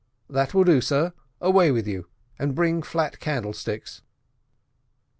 That will do, sir; away with you, and bring flat candlesticks."